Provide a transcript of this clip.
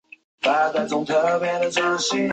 南宋灭后不仕。